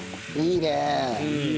いいね。